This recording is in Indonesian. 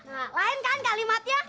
nah lain kan kalimatnya